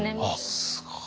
すごい。